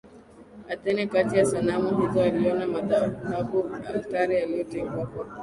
Athene Kati ya sanamu hizo aliona madhahabu altare yaliyotengwa kwa